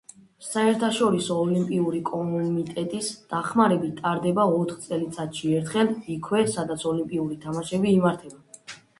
საერთაშორისო ოლიმპიური კომიტეტის დახმარებით ტარდება ოთხ წელიწადში ერთხელ, იქვე, სადაც ოლიმპიური თამაშები იმართება.